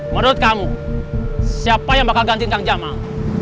menurut kamu siapa yang bakal ganti kang jamal